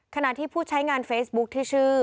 ขณะที่ผู้ใช้งานเฟซบุ๊คที่ชื่อ